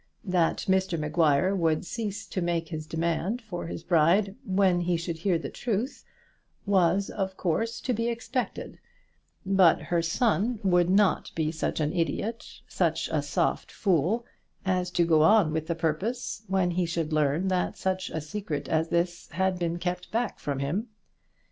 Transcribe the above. That Mr Maguire would cease to make his demand for his bride when he should hear the truth, was of course to be expected; but her son would not be such an idiot, such a soft fool, as to go on with his purpose when he should learn that such a secret as this had been kept back from him.